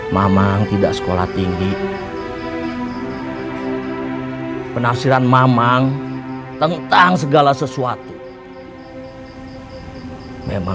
pemimpin yang baik itu menempatkan kata saya itu di depan